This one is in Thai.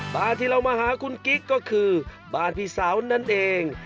บ้านที่เรามาหาคุณกิ๊กก็คือบ้านพี่สาวนั่นเอง